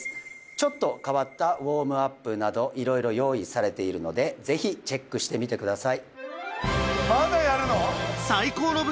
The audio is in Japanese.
ちょっと変わったウォームアップなど色々用意されているのでぜひチェックしてみてください